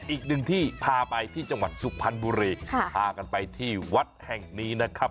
อีกหนึ่งที่พาไปที่จังหวัดสุพรรณบุรีพากันไปที่วัดแห่งนี้นะครับ